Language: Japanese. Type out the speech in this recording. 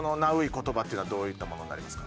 言葉っていうのはどういったものになりますか？